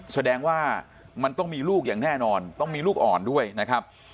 แสดงว่ามันต้องมีลูกอย่างแน่นอนต้องมีลูกอ่อนด้วยนะครับ